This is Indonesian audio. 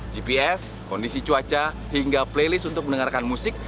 gps kondisi cuaca hingga playlist untuk mendengarkan musik